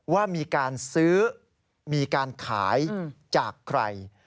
ว่ามีการซื้อมีการขายจากใคร